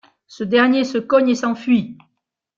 Ce dernier se cogne et s'enfuit.